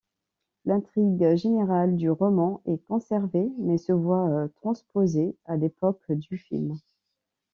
L'intrigue générale du roman est conservée mais se voit transposée à l'époque du film.